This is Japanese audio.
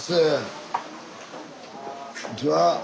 こんにちは。